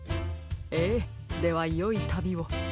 ええではよいたびを。